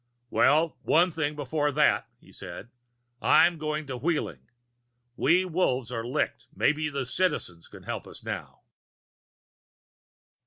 "Well, one thing before that," he said. "I'm going to Wheeling. We Wolves are licked; maybe the Citizens can help us now."